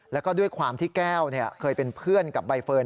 แล้วก็ด้วยความที่แก้วเคยเป็นเพื่อนกับใบเฟิร์น